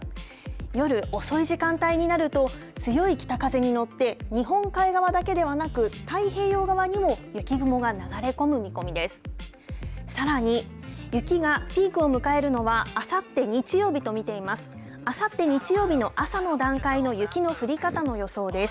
夜遅い時間帯になると、強い北風に乗って、日本海側だけではなく、太平洋側にも雪雲が流れ込む見込みです。